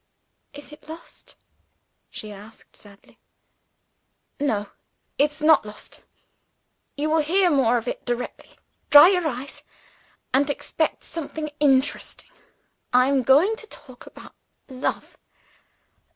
"Is it lost?" she asked sadly. "No; it's not lost. You will hear more of it directly. Dry your eyes, and expect something interesting I'm going to talk about love.